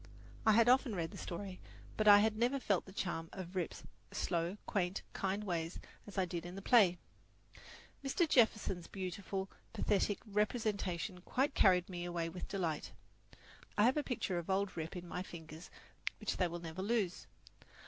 I had often read the story, but I had never felt the charm of Rip's slow, quaint, kind ways as I did in the play. Mr. Jefferson's, beautiful, pathetic representation quite carried me away with delight. I have a picture of old Rip in my fingers which they will never lose.